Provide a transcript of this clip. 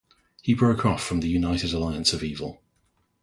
He broke off from the United Alliance of Evil.